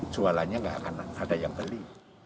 jualannya nggak akan ada yang beli